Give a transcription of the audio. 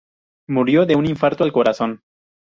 Murió de un infarto al corazón.